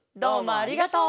ありがとう。